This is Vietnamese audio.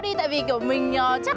được rồi bạn gái em